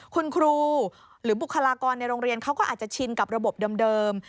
คุณครูหรือบุคลากรในโรงเรียนเขาก็อาจจะชินกับระบบเดิม